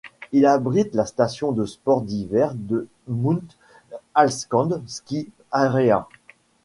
Il abrite la station de sports d'hiver de Mount Ashland Ski Area.